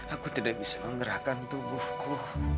aku tidak bisa menggerakkan tubuhku